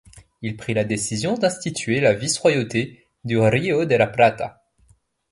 Il prit la décision d'instituer la vice-royauté du Río de la Plata.